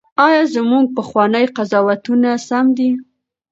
ایا زموږ پخواني قضاوتونه سم دي؟